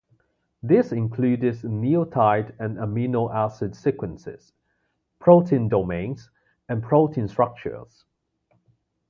This includes nucleotide and amino acid sequences, protein domains, and protein structures.